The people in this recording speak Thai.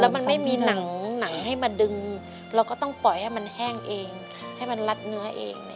มันไม่มีหนังให้มาดึงเราก็ต้องปล่อยให้มันแห้งเองให้มันรัดเนื้อเอง